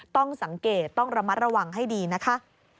ต้องสังเกตต้องระมัดระวังให้ดีนะคะ